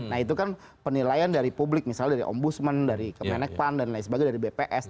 nah itu kan penilaian dari publik misalnya dari ombudsman dari kemenekpan dan lain sebagainya dari bps